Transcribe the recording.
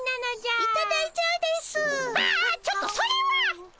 ああちょっとそれは！